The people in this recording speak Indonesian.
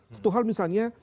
satu hal misalnya